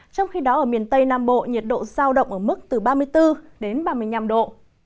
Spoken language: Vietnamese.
trong khi đó ở miền tây nam bộ nhiệt độ giao động ở mức từ ba mươi bốn đến ba mươi năm độ